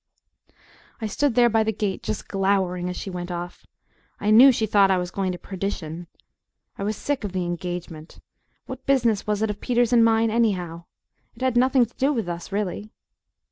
I stood there by the gate just glowering as she went off. I knew she thought I was going to perdition. I was sick of "the engagement." What business was it of Peter's and mine, anyhow? It had nothing to do with us, really.